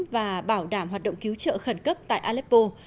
và bảo đảm hoạt động cứu trợ khẩn cấp tại aleppo